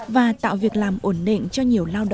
và tạo việc làm ổn định cho nhiều lãnh đạo